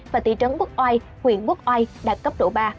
và tỷ trấn quốc oai huyện quốc oai đạt cấp độ ba